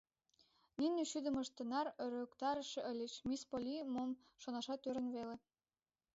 Нине шӱдымышт тынар ӧрыктарыше ыльыч, мисс Полли мом шонашат ӧрын веле.